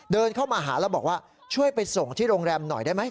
เดินเข้ามาหาแล้วบอกว่าช่วยไปส่งที่โรงแรมหน่อยได้ไหม